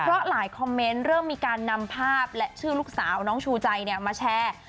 เพราะหลายคอมเมนต์เริ่มมีการนำภาพและชื่อลูกสาวน้องชูใจมาแชร์